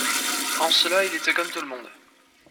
En cela il était comme tout le monde.